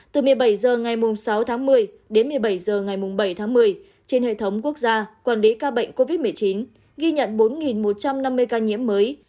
từ một mươi bảy h ngày sáu tháng một mươi đến một mươi bảy h ngày bảy tháng một mươi trên hệ thống quốc gia quản lý ca bệnh covid một mươi chín ghi nhận bốn một trăm năm mươi ca nhiễm mới